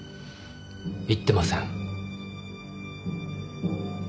行ってません。